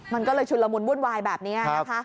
มันก็เลยชุนละมุนวุ่นวายแบบนี้นะคะ